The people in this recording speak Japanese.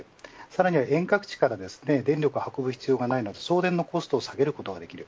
さらに遠隔地から電力を運ぶ必要がないので送電のコストを下げることができる。